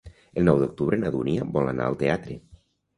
El nou d'octubre na Dúnia vol anar al teatre.